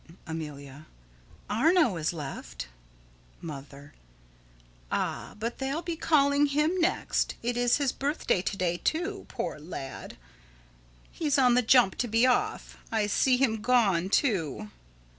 Amelia: Arno is left. Mother: Ah, but they'll be calling him next. It is his birthday to day, too, poor lad. He's on the jump to be off. I see him gone, too.